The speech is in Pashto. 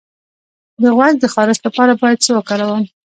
د غوږ د خارش لپاره باید څه وکاروم؟